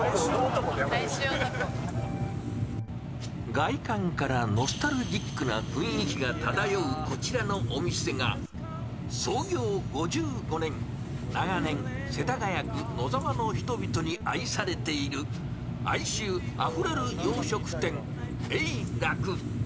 外観からノスタルジックな雰囲気が漂うこちらのお店が創業５５年、長年、世田谷区野沢の人々に愛されている、愛愁あふれる洋食店・えいらく。